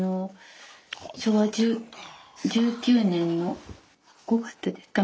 昭和１９年の５月ですか。